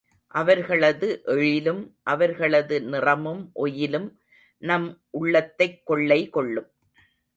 அவர்களது எழிலும், அவர்களது நிறமும் ஒயிலும் நம் உள்ளத்தைக் கொள்ளை கொள்ளும்.